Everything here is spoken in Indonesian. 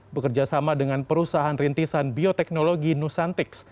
bekerjasama dengan perusahaan rintisan bioteknologi nusantix